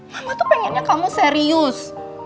mama tuh pengennya kamu serius